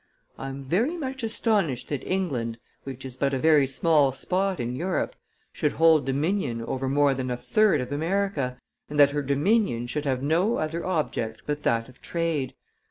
I am very much astonished that England, which is but a very small spot in Europe, should hold dominion over more than a third of America, and that her dominion should have no other object but that of trade.